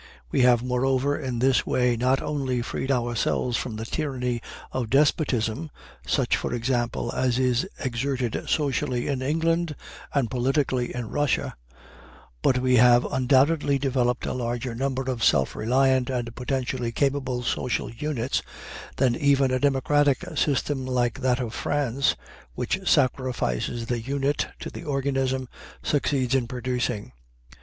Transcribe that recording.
We have, moreover, in this way not only freed ourselves from the tyranny of despotism, such for example as is exerted socially in England and politically in Russia, but we have undoubtedly developed a larger number of self reliant and potentially capable social units than even a democratic system like that of France, which sacrifices the unit to the organism, succeeds in producing.